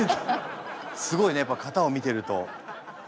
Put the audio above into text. すごいねやっぱ型を見てると。